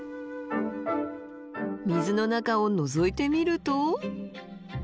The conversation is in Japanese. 水の中をのぞいてみると。